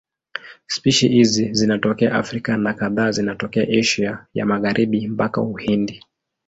Spishi hizi zinatokea Afrika na kadhaa zinatokea Asia ya Magharibi mpaka Uhindi.